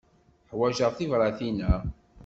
Ḥwaǧeɣ tibratin-a.